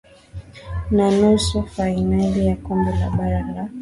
aa nusu fainali ya kombe la bara la